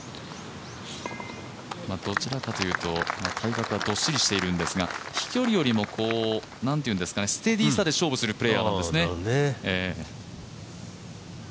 どちらかというと体格はどっしりしているんですが、飛距離よりもステディさで勝負するプレーヤーなんですね。